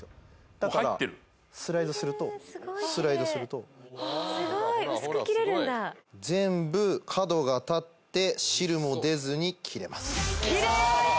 だからスライドするとスライドするとすごい薄く切れるんだ全部角が立って汁も出ずに切れますキレイ！